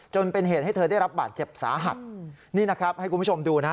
จนเป็นเหตุให้เธอได้รับบาดเจ็บสาหัสนี่นะครับให้คุณผู้ชมดูนะ